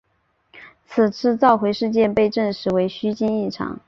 此次召回事件被证实为虚惊一场。